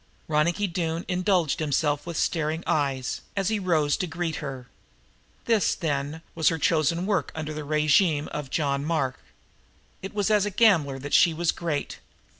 Ronicky Doone indulged himself with staring eyes, as he rose to greet her. This, then, was her chosen work under the régime of John Mark. It was as a gambler that she was great.